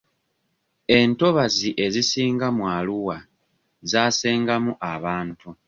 Entobazi ezisinga mu Arua zaasengemu abantu.